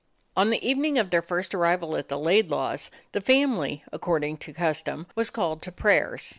On the evening of their first arrival at the Laidlaws' the family, according to custom, was called to prayers.